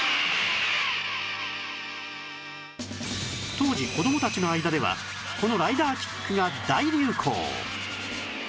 当時子供たちの間ではこのライダーキックが大流行